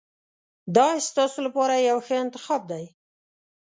دا ستاسو لپاره یو ښه انتخاب دی.